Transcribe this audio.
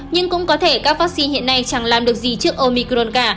nhưng cũng có thể các vaccine hiện nay chẳng làm được gì trước omicron cả